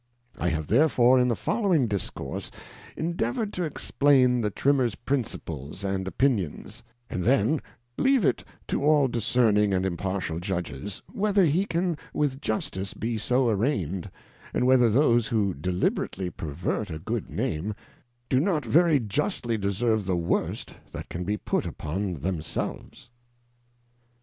I have therefore in the following Discourse endeavour'd to explain the Trimmei 's Principles and Opinions, and then leave it to all discerning and impartial Judges, whether he can with Justice be so Arraign' d, and whether those who deliberately per vert a good Name, do not very justly deserve the worst that can be put upon themselves.